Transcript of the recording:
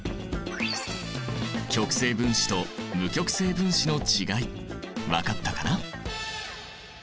極性分子と無極性分子の違い分かったかな？